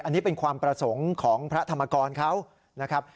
อันนี้เป็นความประสงค์ของพระธรรมกรเขานะครับ